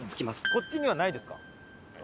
こっちにはないですか？